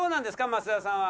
益田さんは。